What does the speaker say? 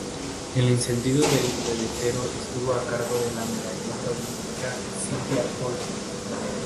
El encendido del pebetero estuvo a cargo de la medallista olímpica Sylvia Poll.